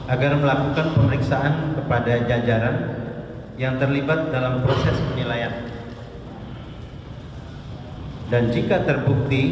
agar melakukan pemeriksaan kepada jajaran yang terlibat dalam proses penilaian dan jika terbukti